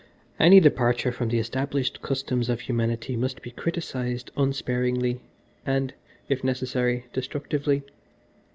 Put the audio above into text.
Any departure from the established customs of humanity must be criticised unsparingly, and, if necessary, destructively.